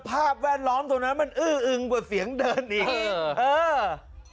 แวดล้อมตรงนั้นมันอื้ออึงกว่าเสียงเดินอีกเออ